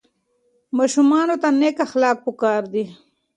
ماشومانو ته نیک اخلاق په کار دي.